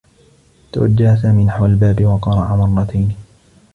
توجّه سامي نحو الباب و قرع مرّتين.